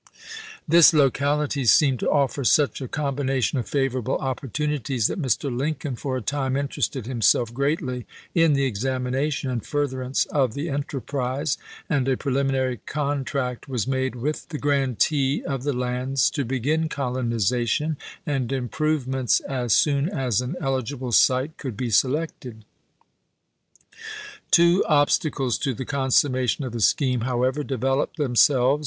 This locality seemed to offer such a com bination of favorable opportunities that Mr. Lincoln for a time interested himself greatly in the examina tion and furtherance of the enterprise, and a pre liminary contract was made with the grantee of the lands to begin colonization and improvements as soon as an eligible site could be selected. Two obstacles to the consummation of the scheme, how ever, developed themselves.